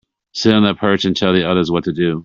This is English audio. Sit on the perch and tell the others what to do.